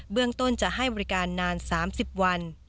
เรื่องต้นจะให้บริการนาน๓๐วัน